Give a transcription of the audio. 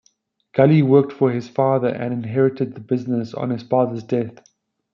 Gully worked for his father and inherited the business on his father's death.